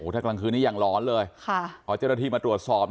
ถ้ากลางคืนนี้ยังหลอนเลยพอเจ้าหน้าที่มาตรวจสอบ